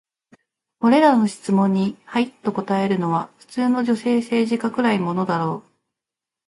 これらの質問に「はい」と答えるのは、普通の女性政治家くらいのものだろう。